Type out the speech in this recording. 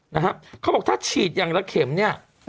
เขาบอกถ้าฉีดอย่างละเข็มเนี่ย